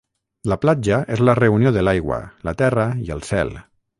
La platja és la reunió de l'aigua, la terra i el cel.